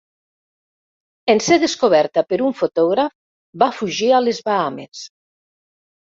En ser descoberta per un fotògraf, va fugir a les Bahames.